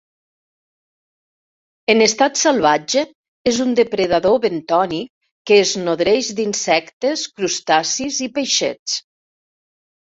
En estat salvatge, és un depredador bentònic que es nodreix d'insectes, crustacis i peixets.